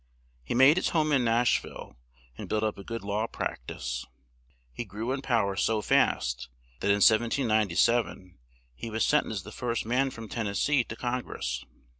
He made his home in Nash ville and built up a good law prac tice. He grew in pow er so fast that in 1797 he was sent as the first man from Ten nes see to Con gress.